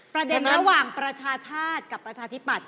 ประเด็นระหว่างประชาชาติกับประชาธิบัติ